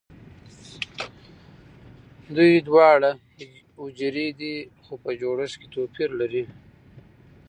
دوی دواړه حجرې دي خو په جوړښت کې توپیر لري